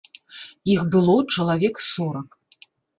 Іх было чалавек сорак.